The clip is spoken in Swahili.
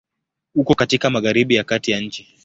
Uko katika Magharibi ya Kati ya nchi.